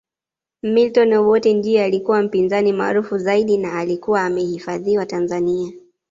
Milton Obote ndiye alikuwa mpinzani maarufu zaidi na alikuwa amehifadhiwa Tanzania